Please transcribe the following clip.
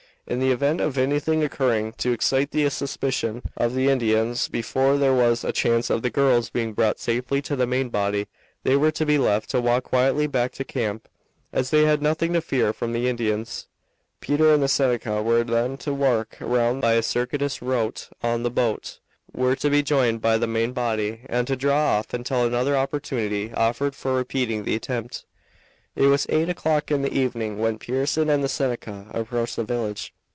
In the event of anything occurring to excite the suspicion of the Indians before there was a chance of the girls being brought safely to the main body, they were to be left to walk quietly back to camp, as they had nothing to fear from the Indians. Peter and the Seneca were then to work round by a circuitous route to the boat, where they were to be joined by the main body, and to draw off until another opportunity offered for repeating the attempt. It was eight o'clock in the evening when Pearson and the Seneca approached the village.